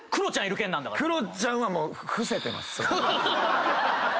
クロちゃんはもう伏せてます。